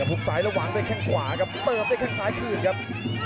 อุพูกซ้ายระหว่างส์ไปแค่งขวากับตาเพื่อนไปแค่งส้ายกื่นครับ